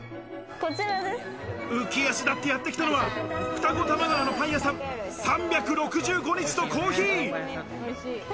浮足立ってやってきたのは、二子玉川のパン屋さん「３６５日とコーヒー」。